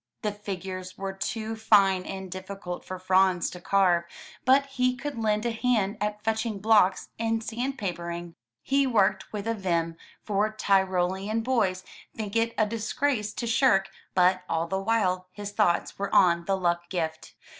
The figures were too fine and difficult for Franz to carve, but he could lend a hand at fetching blocks and sandpapering. He worked with a vim, for Tyrolean boys think it a disgrace to shirk, but all the while his thoughts were on the luck gift.